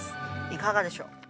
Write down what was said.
いかがでしょう？